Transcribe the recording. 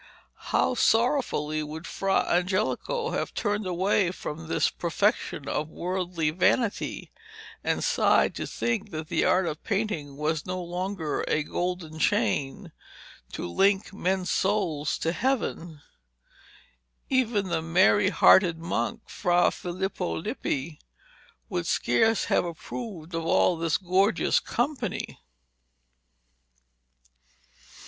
How sorrowfully would Fra Angelico have turned away from this perfection of worldly vanity, and sighed to think that the art of painting was no longer a golden chain to link men's souls to Heaven. Even the merry hearted monk Fra Filippo Lippi would scarce have approved of all this gorgeous company.